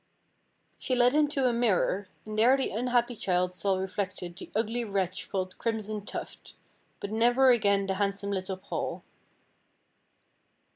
She led him to a mirror, and there the unhappy child saw reflected the ugly wretch called Crimson Tuft, but never again the handsome little Paul.